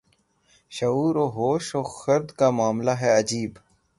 شعور و ہوش و خرد کا معاملہ ہے عجیب